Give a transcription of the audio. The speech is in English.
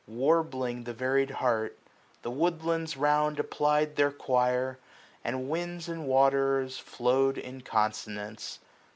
Warbling the varied heart j the woodlands round Apply'd their quire ; and winds and waters flow'd In consonance.